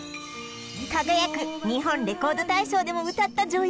「輝く！日本レコード大賞」でも歌った女優